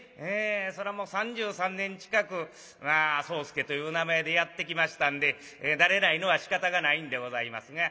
そらもう３３年近く宗助という名前でやってきましたんで慣れないのはしかたがないんでございますが。